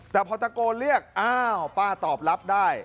แต่พอตะโกนเรียกอ้าวป้าตอบรับได้